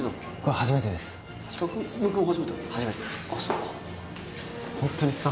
初めてですあっ